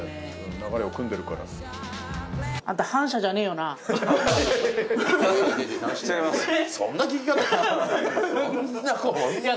流れをくんでるからいや